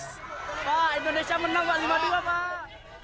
pak indonesia menang pak cuma dua pak